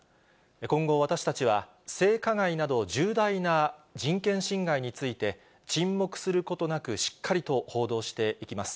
今後、私たちは性加害など、重大な人権侵害について、沈黙することなく、しっかりと報道していきます。